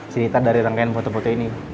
cerita dari rangkaian foto foto ini